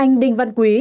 anh đinh văn quý